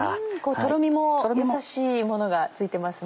トロミもやさしいものがついてますね。